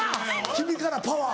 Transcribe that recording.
君からパワー。